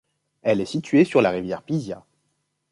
Elle est située sur la rivière Pisia.